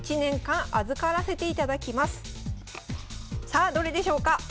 さあどれでしょうか？